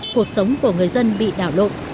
cuộc sống của người dân bị đảo lộn